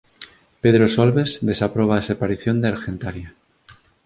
Pedro Solbes desaproba a desaparición de Argentaria